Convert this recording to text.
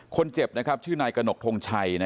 คนเจ็บชื่อนายกระหนกทงชัย